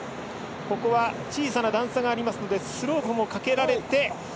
ここは小さな段差がありますのでスロープもかけられて。